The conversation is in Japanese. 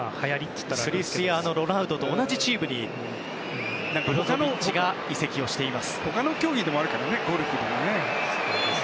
クリスティアーノ・ロナウドと同じチームにブロゾビッチが移籍しています。